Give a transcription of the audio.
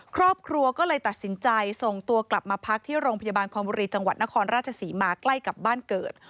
ครอบครัวก็เลยตัดสินใจส่งตัวกลับมาพักที่โรงพยาบาลคอมบุรีจังหวัดนครราชศรีมาใกล้กับบ้านเกิด